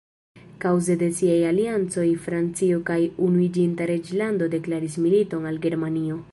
Kaŭze de siaj aliancoj Francio kaj Unuiĝinta Reĝlando deklaris militon al Germanio.